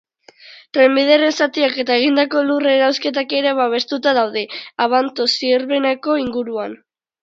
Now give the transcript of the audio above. Trenbidearen zatiak eta egindako lur-erauzketak ere babestuta daude, Abanto-Zierbenako inguruan.